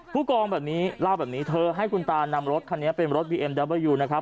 ผู้กองแบบนี้เล่าแบบนี้เธอให้คุณตานำรถคันนี้เป็นรถบีเอ็มดาเบอร์ยูนะครับ